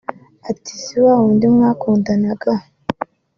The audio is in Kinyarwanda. ati “si wa wundi mwakundanaga